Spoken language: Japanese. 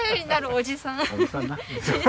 おじさんな。